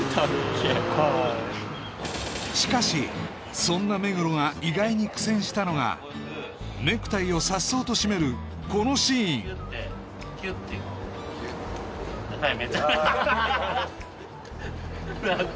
しかしそんな目黒が意外に苦戦したのがネクタイを颯爽と締めるこのシーンキュッてキュッアハハハあれ？